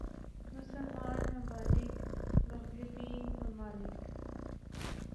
مسلمان ممالک مغربی ممالک